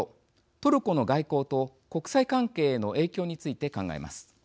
トルコの外交と国際関係への影響について考えます。